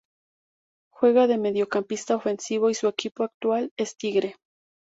Juega de mediocampista ofensivo y su equipo actual es Tigre.